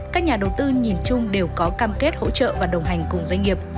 các nhà đầu tư nhìn chung đều có cam kết hỗ trợ và đồng hành cùng doanh nghiệp